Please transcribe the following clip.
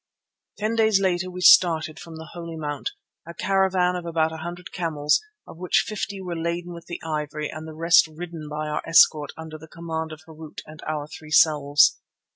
Ten days later we started from the Holy Mount, a caravan of about a hundred camels, of which fifty were laden with the ivory and the rest ridden by our escort under the command of Harût and our three selves.